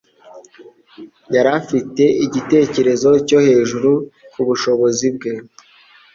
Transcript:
Yari afite igitekerezo cyo hejuru kubushobozi bwe.